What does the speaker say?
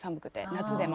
夏でも。